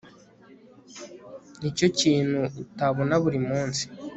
Nicyo kintu utabona buri munsi